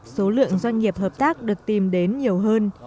số lượng doanh nghiệp hợp tác được tìm đến nhiều hơn